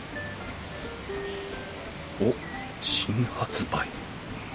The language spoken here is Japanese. おっ新発売